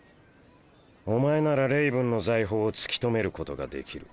お前ならレイブンの財宝を突き止めることができる。